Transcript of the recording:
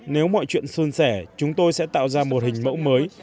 nếu mọi chuyện xuân sẻ chúng tôi sẽ tạo ra một hình mẫu mới